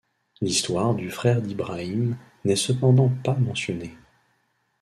L'histoire du frère d'Ibrahim n'est cependant pas mentionnée.